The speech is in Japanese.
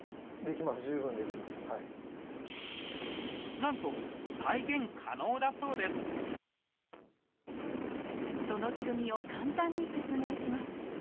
なんとその仕組みを簡単に説明します。